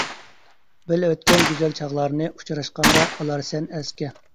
بىللە ئۆتكەن گۈزەل چاغلارنى، ئۇچراشقاندا ئالارسەن ئەسكە.